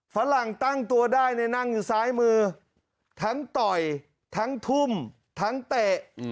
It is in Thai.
ฝรั่งตั้งตัวได้เนี่ยนั่งอยู่ซ้ายมือทั้งต่อยทั้งทุ่มทั้งเตะ